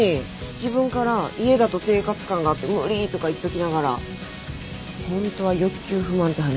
自分から「家だと生活感が無理」とか言っときながらホントは欲求不満って話？